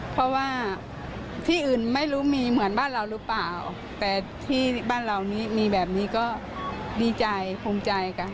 เพราะว่าที่อื่นไม่รู้มีเหมือนบ้านเราหรือเปล่าแต่ที่บ้านเรานี้มีแบบนี้ก็ดีใจภูมิใจกัน